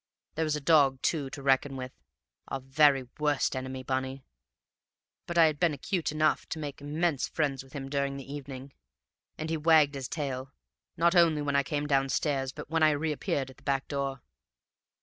There was a dog, too, to reckon with (our very worst enemy, Bunny); but I had been 'cute enough to make immense friends with him during the evening; and he wagged his tail, not only when I came downstairs, but when I reappeared at the back door.